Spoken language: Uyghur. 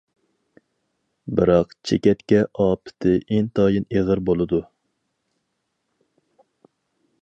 بىراق چېكەتكە ئاپىتى ئىنتايىن ئېغىر بولىدۇ.